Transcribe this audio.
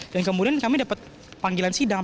dan kemudian kami dapat panggilan sidang